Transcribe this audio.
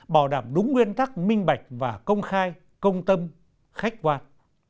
bảo đảm đúng nguyên tắc minh bạch và công khai công tâm khách quan